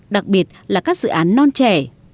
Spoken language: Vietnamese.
đặc biệt là các dự án non trẻ